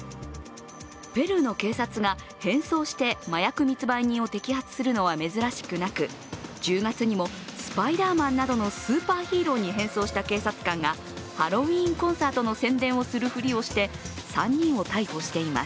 ペルーの警察が変装して麻薬密売人を摘発するのは珍しくなく、１０月にもスパイダーマンなどのスーパーヒーローに変装した警察官がハロウィーンコンサートの宣伝をするふりをして３人を逮捕しています。